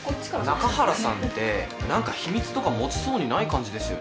中原さんって何か秘密とか持ちそうにない感じですよね。